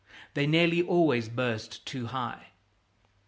They nearly always burst too high.